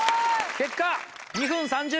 結果。